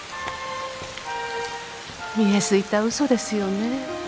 見え透いたウソですよね